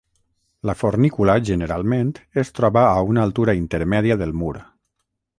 La fornícula generalment es troba a una altura intermèdia del mur.